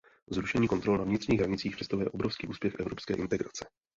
Zrušení kontrol na vnitřních hranicích představuje obrovský úspěch evropské integrace.